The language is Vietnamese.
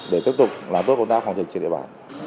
để tiếp tục làm tốt công tác phòng dịch trên địa bàn